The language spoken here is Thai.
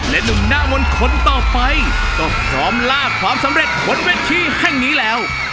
หนุ่มหน้ามนต์คนต่อไปก็พร้อมลากความสำเร็จบนเวทีแห่งนี้แล้ว